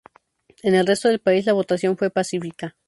En el resto del país la votación fue pacífica.